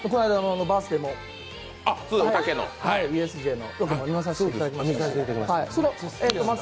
バースデーもＵＳＪも見させていただきました。